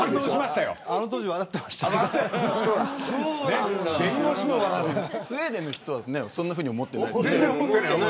あの当時笑ってました。スウェーデンの人はそんなふうに思ってないですよね。